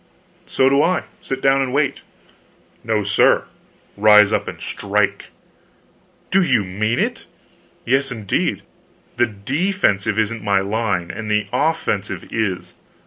"So do I; sit down and wait." "No, sir! rise up and strike!" "Do you mean it?" "Yes, indeed! The _de_fensive isn't in my line, and the _of_fensive is.